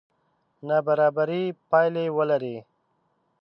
نابرابرې پایلې ولري.